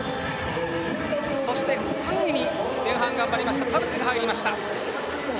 そして３位に前半、頑張った田渕が入りました。